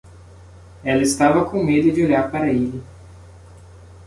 Ela estava com medo de olhar para ele.